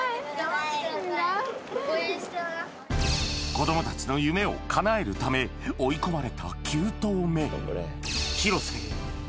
子どもたちの夢を叶えるため追い込まれた９投目・